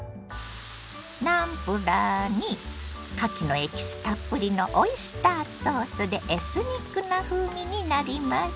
ナムプラーにかきのエキスたっぷりのオイスターソースでエスニックな風味になります。